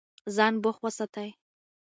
ځان بوخت وساتئ.